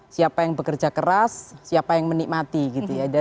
siapa yang bekerja keras siapa yang menikmati gitu ya